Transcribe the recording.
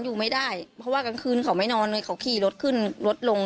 อยู่ไม่ได้เพราะว่ากลางคืนเขาไม่นอนเลยเขาขี่รถขึ้นรถลง